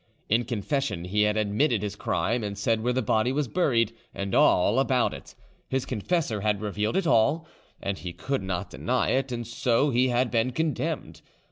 In confession he had admitted his crime and said where the body was buried, and all about it; his confessor had revealed it all, and he could not deny it, and so he had been condemned.